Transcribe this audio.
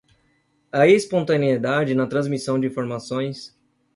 a espontaneidade na transmissão de informações